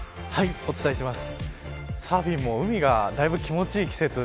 お伝えします。